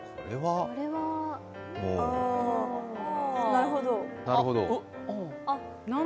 なるほど。